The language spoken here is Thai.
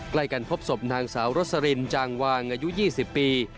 ใกล้กันพบศพนางสาวรสลินจางวางอายุ๒๐ปี